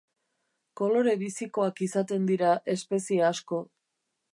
Kolore bizikoak izaten dira espezie asko.